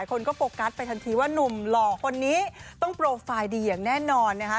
คนก็โฟกัสไปทันทีว่านุ่มหล่อคนนี้ต้องโปรไฟล์ดีอย่างแน่นอนนะคะ